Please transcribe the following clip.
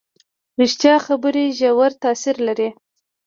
ریښتیا خبرې ژور تاثیر لري.